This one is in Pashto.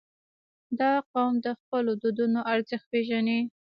• دا قوم د خپلو دودونو ارزښت پېژني.